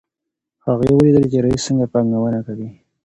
هغې ولیدل چې رییس څنګه پانګونه کوي.